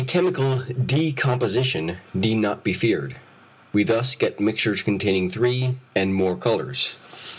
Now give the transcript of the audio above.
A chemical decomposition need not be feared. We thus get mixtures containing three and more colours.